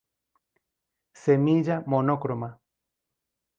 Semilla monocroma.